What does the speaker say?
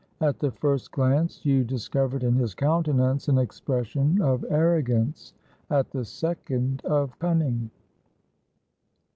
At the first glance you dis covered in his countenance an expression of arrogance; at the second, of cunning.